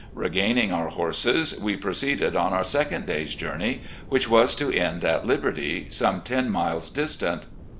Regaining our horses, we proceeded on otu* second day's journey, which was to end at Liberty, some ten miles distant.